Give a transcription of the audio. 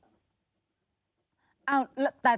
ครับ